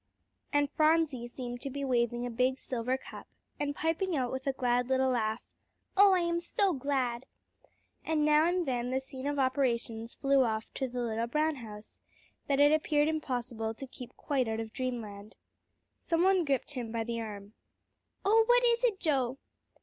And Phronsie seemed to be waving a big silver cup, and piping out with a glad little laugh, "Oh, I am so glad!" And now and then the scene of operations flew off to the little brown house, that it appeared impossible to keep quite out of dreamland. Some one gripped him by the arm. "Oh, what is it, Joe?"